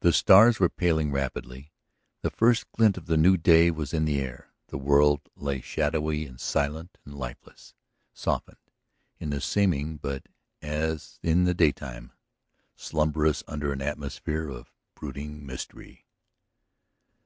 The stars were paling rapidly; the first glint of the new day was in the air, the world lay shadowy and silent and lifeless, softened in the seeming, but, as in the daytime, slumbrous under an atmosphere of brooding mystery.